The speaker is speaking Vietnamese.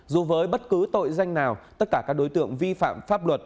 dù với bất cứ tội danh nào tất cả các đối tượng vi phạm pháp luật